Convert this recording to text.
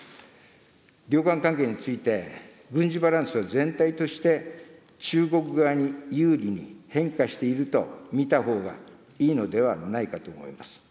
両岸関係について、軍事バランスは全体として中国側に有利に変化していると見たほうがいいのではないかと思います。